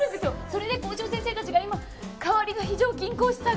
それで校長先生たちが今代わりの非常勤講師探してるの！